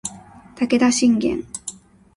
武田信玄